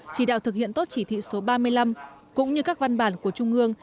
chỉ đạo thực hiện tốt chỉ thị số ba mươi năm cũng như các văn bản của trung ương